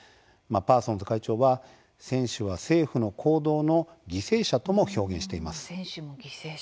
パーソンズ会長は「選手は政府の行動の犠牲者」とも表現しています。